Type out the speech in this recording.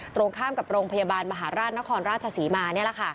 ตรงข้ามกับโรงพยาบาลมหาราชนครราชศรีมา